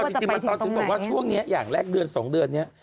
เอาจริงมาตอบถึงว่าช่วงนี้อย่างแรกเดือน๒เดือนเนี่ย